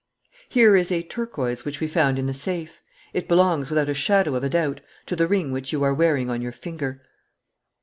"Here is a turquoise which we found in the safe. It belongs, without a shadow of a doubt, to the ring which you are wearing on your finger."